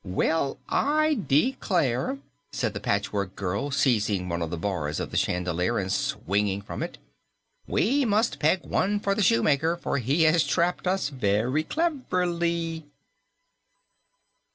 "Well, I declare," said the Patchwork Girl, seizing one of the bars of the chandelier and swinging from it, "we must peg one for the Shoemaker, for he has trapped us very cleverly."